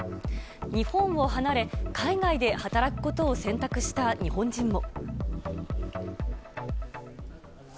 日本を離れ、海外で働くことを選択した日本人も。